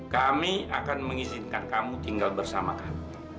kami akan mengizinkan kamu tinggal bersamakan